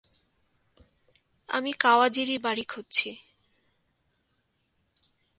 আমি কাওয়াজিরি বাড়ি খুজছি।